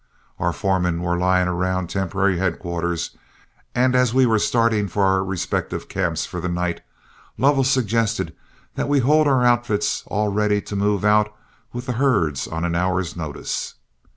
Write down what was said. Our foremen were lying around temporary headquarters, and as we were starting for our respective camps for the night, Lovell suggested that we hold our outfits all ready to move out with the herds on an hour's notice.